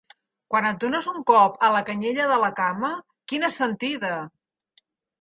Quan et dones un cop a la canyella de la cama, quina sentida!